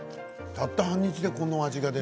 たった半日でこの味。